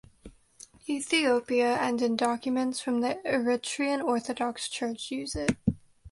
Ethiopia and in documents from the Eritrean Orthodox Church use it.